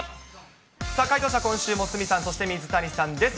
解答者、今週も鷲見さん、そして水谷さんです。